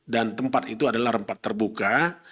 dan tempat itu adalah tempat terbuka